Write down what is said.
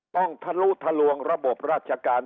ทะลุทะลวงระบบราชการ